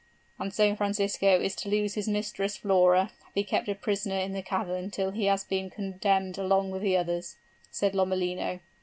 'And so young Francisco is to lose his mistress, Flora, and be kept a prisoner in the cavern till he has been condemned along with the others?' said Lomellino.